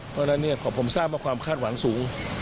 เพราะนั่นเนี่ยผมทราบเพราะความคาดหวังสูง